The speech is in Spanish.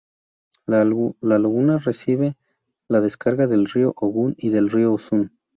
La laguna recibe la descarga del río Ogun y del río Osun.